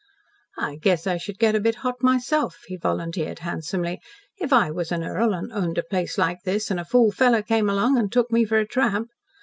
"I guess I should get a bit hot myself," he volunteered handsomely, "if I was an earl, and owned a place like this, and a fool fellow came along and took me for a tramp.